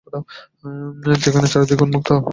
সেখানে চারি দিক উন্মুক্ত।